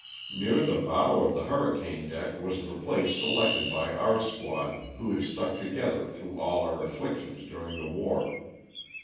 Near the bow of the hurricane deck was the place selected by our squad who had stuck together through all our afflictions during the war.